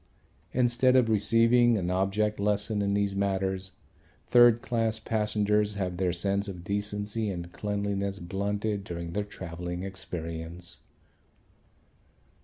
Instead of receiving an object lesson in these matters third class passengers have their sense of decency and cleanliness blunted during their travelling experience.